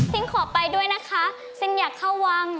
ทีมขอไปด้วยนะคะทีมอยากเข้าวัง